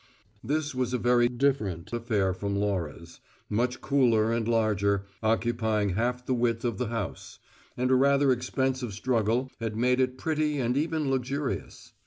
This was a very different affair from Laura's, much cooler and larger; occupying half the width of the house; and a rather expensive struggle had made it pretty and even luxurious.